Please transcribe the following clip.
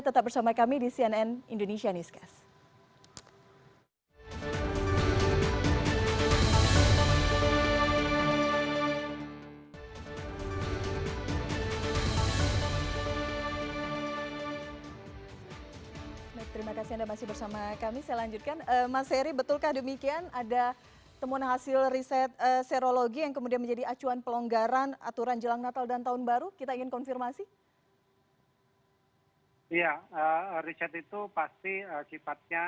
tetap bersama kami di cnn indonesia newscast